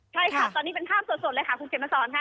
ใช่ค่ะตอนนี้เป็นภาพสดเลยค่ะคุณเขียนมาสอนค่ะ